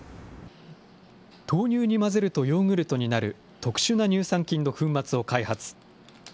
豆乳に混ぜるとヨーグルトになる特殊な乳酸菌の粉末を開発。